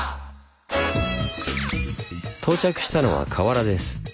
到着したのは河原です。